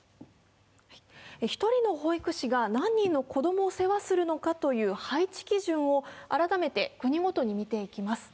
１人の保育士が何人の子供を世話するかの配置基準を改めて国ごとに見ていきます。